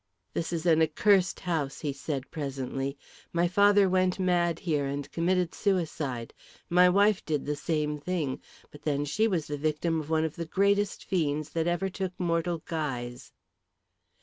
"This is an accursed house," he said presently. "My father went mad here and committed suicide. My wife did the same thing, but then she was the victim of one of the greatest fiends that ever took mortal guise."